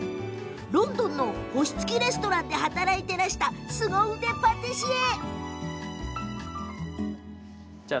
ロンドンの星付きレストランで働いていらしたすご腕のパティシエ。